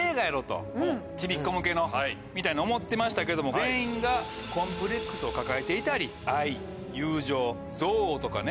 ちびっこ向けのみたいに思ってましたけれども全員がコンプレックスを抱えていたり愛友情憎悪とかね